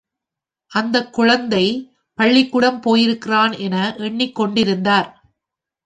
அந்தக் குழந்தை பள்ளிக்கூடம் போயிருக்கிறான் என எண்ணிக் கொண்டிருந்தார்.